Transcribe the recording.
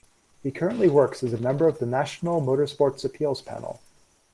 He currently works as a member of the National Motorsports Appeals Panel.